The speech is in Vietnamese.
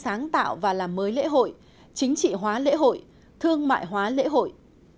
sáng tạo và làm mới lễ hội chính trị hóa lễ hội thương mại hóa lễ hội